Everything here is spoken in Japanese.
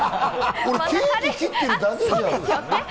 俺、ケーキ切ってるだけ。